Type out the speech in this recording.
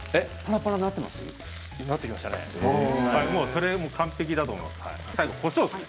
それでもう完璧だと思います。